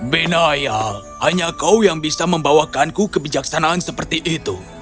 benaya hanya kau yang bisa membawakanku kebijaksanaan seperti itu